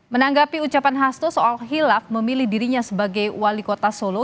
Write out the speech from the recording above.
menanggapi ucapan hasto soal hilaf memilih dirinya sebagai wali kota solo